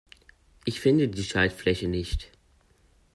Ich finde die Schaltfläche nicht.